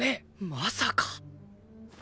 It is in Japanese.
まさか。